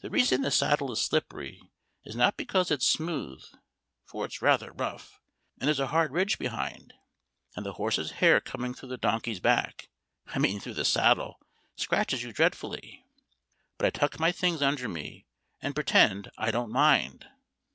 The reason the saddle is slippery is not because it's smooth, for it's rather rough; and there's a hard ridge behind, And the horse's hair coming through the donkey's back (I mean through his saddle) scratches you dreadfully; but I tuck my things under me, and pretend I don't mind.